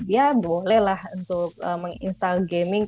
ya bolehlah untuk menginstal gaming